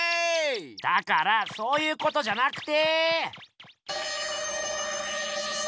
だからそういうことじゃなくて。